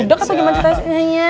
budak itu tadi mancitanya